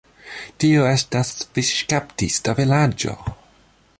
Tiu estas fiŝkaptista vilaĝo.